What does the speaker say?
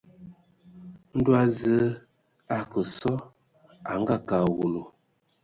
Ndo Zəə a akə sɔ a a ngakǝ a awulu.